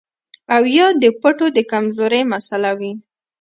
او يا د پټو د کمزورۍ مسئله وي